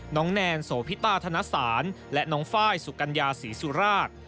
แนนโสพิตาธนสารและน้องไฟล์สุกัญญาศรีสุราช